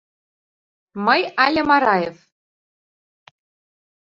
Мый але Мараев?!.